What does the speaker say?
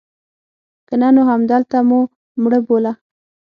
که نه نو همدلته مو مړه بوله.